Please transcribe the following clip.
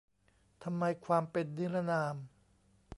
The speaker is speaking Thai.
ทำไม ความเป็นนิรนาม